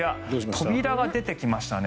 扉が出てきましたね